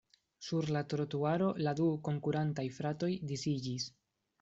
Sur la trotuaro la du konkurantaj fratoj disiĝis.